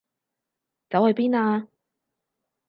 走去邊啊？